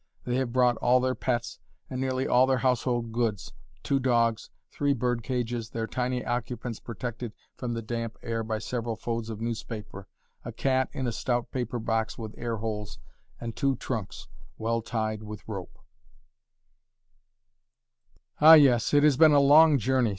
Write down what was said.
They have brought all their pets and nearly all their household goods two dogs, three bird cages, their tiny occupants protected from the damp air by several folds of newspaper; a cat in a stout paper box with air holes, and two trunks, well tied with rope. [Illustration: (street market)] "Ah, yes, it has been a long journey!"